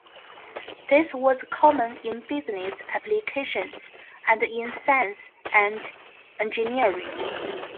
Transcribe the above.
This was common in business applications and in science and engineering.